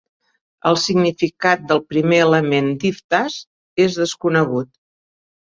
El significat del primer element "divtas" és desconegut.